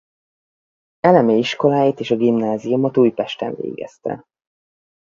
Elemi iskoláit és a gimnáziumot Újpesten végezte.